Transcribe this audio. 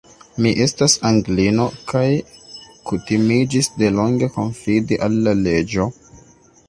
Mi estas Anglino, kaj kutimiĝis de longe konfidi al la leĝo.